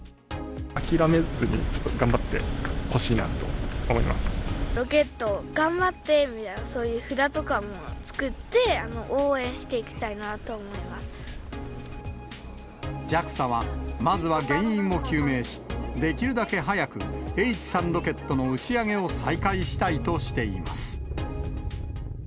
諦めずに頑張ってほしいなとロケット頑張ってみたいな、そういう札とかも作って、ＪＡＸＡは、まずは原因を究明し、できるだけ早くＨ３ロケットの打ち上げを再開したいとしています。